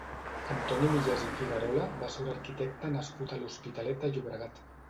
Antoni Millàs i Figuerola va ser un arquitecte nascut a l'Hospitalet de Llobregat.